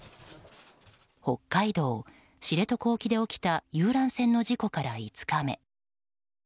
北海道知床沖で起きた事故から５日目。